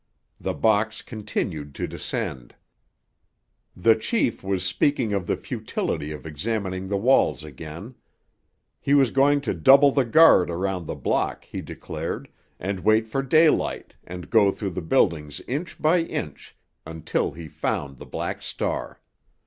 The box continued to descend. The chief was speaking of the futility of examining the walls again. He was going to double the guard around the block, he declared, and wait for daylight, and go through the buildings inch by inch until he found the Black Star.